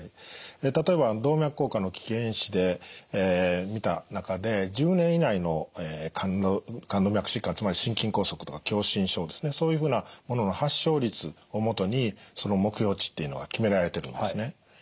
例えば動脈硬化の危険因子で見た中で１０年以内の冠動脈疾患つまり心筋梗塞とか狭心症ですねそういうふうなものの発症率を元に目標値っていうのが決められてるんですね。